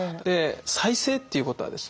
「再生」ということはですね